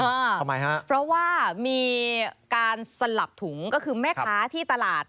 ทำไมฮะเพราะว่ามีการสลับถุงก็คือแม่ค้าที่ตลาด